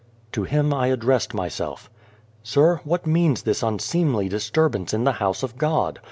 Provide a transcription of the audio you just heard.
To him I addressed myself :" Sir, what means this unseemly disturbance in the House of God?